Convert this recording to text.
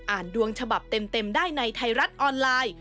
ดวงฉบับเต็มได้ในไทยรัฐออนไลน์